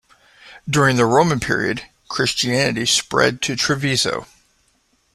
During the Roman Period, Christianity spread to Treviso.